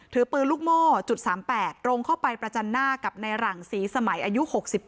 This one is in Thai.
ถือปืนลูกโม่จุด๓๘ตรงเข้าไปประจันหน้ากับในหลังศรีสมัยอายุ๖๗